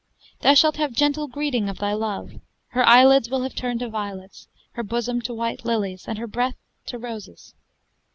Thou shalt have gentle greeting of thy love! Her eyelids will have turned to violets, Her bosom to white lilies, and her breath To roses.